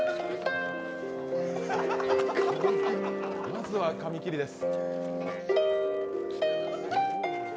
まずは紙切りです。